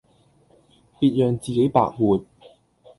別讓自己白活